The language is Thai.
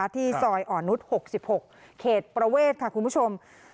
ที่ซอยอ่อนนุษย์๖๖เขตประเวทค่ะคุณผู้ชม